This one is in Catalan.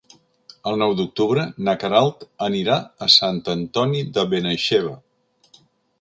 El nou d'octubre na Queralt anirà a Sant Antoni de Benaixeve.